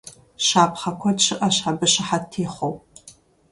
Щапхъэ куэд щыӀэщ абы щыхьэт техъуэу.